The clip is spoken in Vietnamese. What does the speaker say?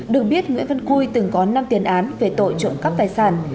được biết nguyễn văn cui từng có năm tiền án về tội trộm cắp tài sản